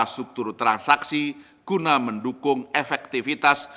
struktur transaksi guna mendukung efektivitas